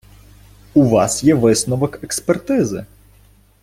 У вас є висновок експертизи.